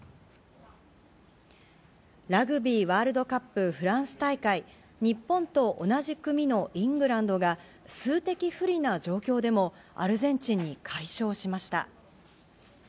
ラグビーワールドカップフランス大会、日本と同じ組のイングランドが数的不利な状況でもアルゼンチンに快勝しました。